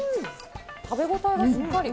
食べ応えがしっかり。